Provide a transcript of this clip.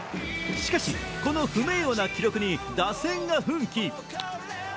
しかしこの不名誉な記録に打線が奮起。